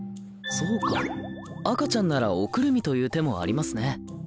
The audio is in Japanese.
そうか赤ちゃんならおくるみという手もありますね。